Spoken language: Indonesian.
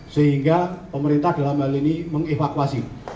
sehingga pemerintah dalam hal ini mengevakuasi